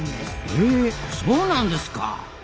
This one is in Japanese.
へそうなんですか。